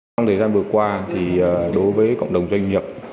trong thời gian vừa qua thì đối với cộng đồng doanh nghiệp